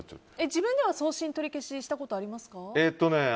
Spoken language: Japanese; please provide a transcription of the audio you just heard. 自分では送信取り消しされたことありますか？